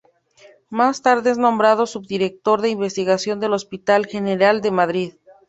Más tarde es nombrado subdirector de investigación del Hospital General de Madrid.